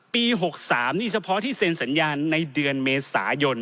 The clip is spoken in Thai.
๖๓นี่เฉพาะที่เซ็นสัญญาในเดือนเมษายน